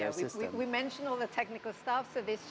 kami menyebutkan semua hal teknis